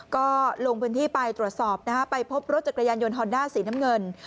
ก็ลงพื้นที่ไปตรวจสอบนะฮะไปพบรถจักรยานยนต์ฮอนด้าสีน้ำเงิน